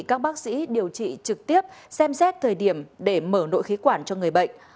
các bác sĩ điều trị trực tiếp xem xét thời điểm để mở nội khí quản cho người bệnh